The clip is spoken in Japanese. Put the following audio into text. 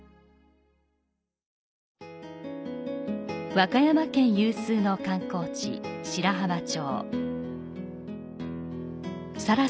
和歌山県有数の観光地、白浜町。